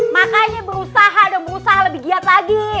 makanya berusaha dan berusaha lebih giat lagi